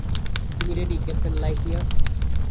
তুমি ready, captain Lightyear?